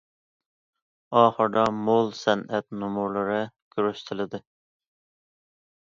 ئاخىرىدا مول سەنئەت نومۇرلىرى كۆرسىتىلدى.